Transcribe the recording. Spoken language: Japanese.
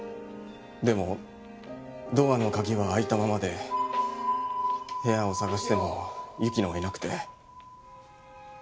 でもドアの鍵は開いたままで部屋を探しても雪乃はいなくて。